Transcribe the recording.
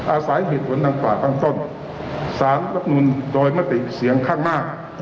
อาศัยผิดวนดังฝ่าข้างต้นสารรับหนุนโดยมติเสียงข้างมาก